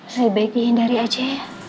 lebih baik dihindari aja ya